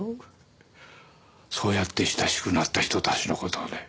そうやって親しくなった人たちの事をね